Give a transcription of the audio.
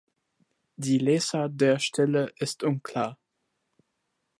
Die Lesart der Stelle ist unklar.